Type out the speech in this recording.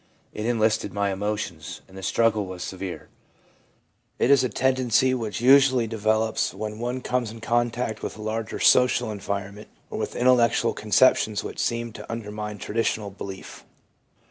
It enlisted my emotions, and the struggle was severe/ It is a tendency which usually develops when one comes in contact with a larger social environment or with intel lectual conceptions which seem to undermine traditional belief.